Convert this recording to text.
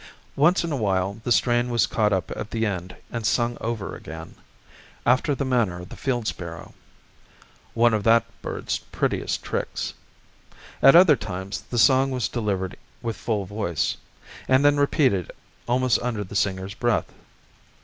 Once in a while the strain was caught up at the end and sung over again, after the manner of the field sparrow, one of that bird's prettiest tricks. At other times the song was delivered with full voice, and then repeated almost under the singer's breath.